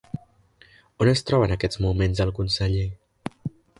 On es troba en aquests moments el conseller?